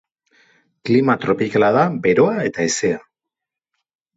Klima tropikala da, beroa eta hezea.